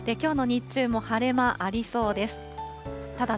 きょうの日中も晴れ間ありそうです。